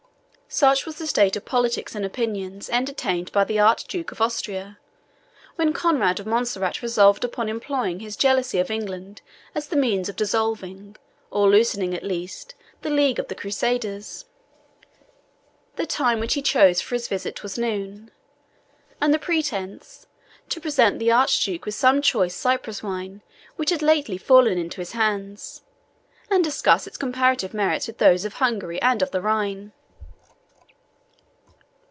Such was the state of politics and opinions entertained by the Archduke of Austria, when Conrade of Montserrat resolved upon employing his jealousy of England as the means of dissolving, or loosening at least, the league of the Crusaders. The time which he chose for his visit was noon; and the pretence, to present the Archduke with some choice Cyprus wine which had lately fallen into his hands, and discuss its comparative merits with those of Hungary and of the Rhine.